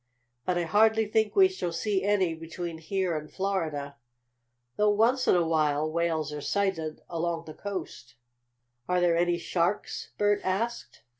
But I hardly think we shall see any between here and Florida, though once in a while whales are sighted along the coast." "Are there any sharks?" Bert asked.